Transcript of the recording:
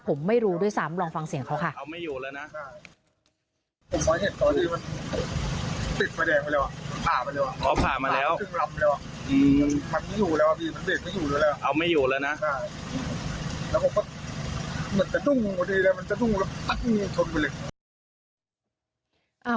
ผมไม่รู้ด้วยซ้ำลองฟังเสียงเขาค่ะ